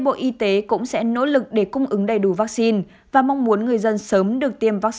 bộ y tế cũng sẽ nỗ lực để cung ứng đầy đủ vắc xin và mong muốn người dân sớm được tiêm